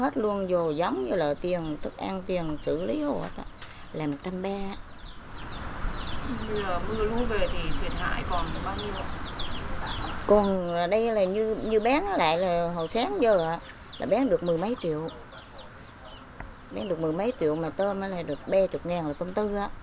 còn đây là như bán lại là hồi sáng giờ là bán được mười mấy triệu bán được mười mấy triệu mà tôm đó là được ba mươi ngàn là công tư á